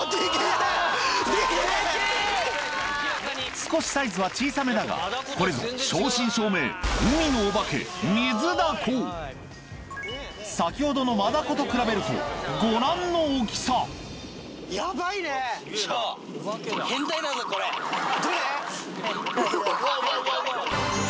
少しサイズは小さめだがこれぞ正真正銘先ほどのマダコと比べるとご覧の大きさどれ？